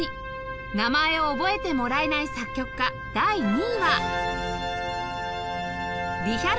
名前を覚えてもらえない作曲家第２位は